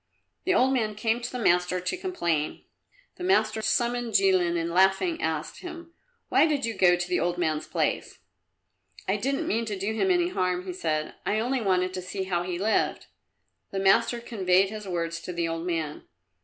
The old man came to the master to complain. The master summoned Jilin and laughing, asked him, "Why did you go to the old man's place?" "I didn't mean to do him any harm," he said. "I only wanted to see how he lived." The master conveyed his words to the old man.